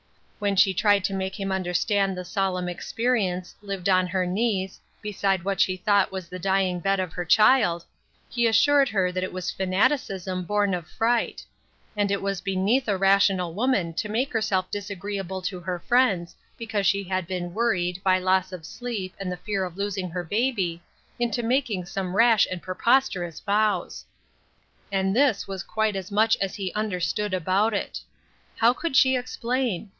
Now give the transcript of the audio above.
When she tried to make him understand the solemn experience, lived on her knees, beside what she had thought was the dying bed of their PLANTS THAT HAD BLOSSOMED. \J child, he assured her that that was fanaticism born of fright ; and it was beneath a rational woman to make herself disagreeable to her friends because she had been worried, by loss of sleep, and the fear of losing her baby, into taking some rash and preposterous vows ! And this was quite as much as he understood about it. How could she explain